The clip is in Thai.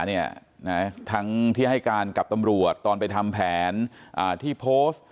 ทั้งที่ให้การกับตำรวจตอนไปทำแผนที่โพสต์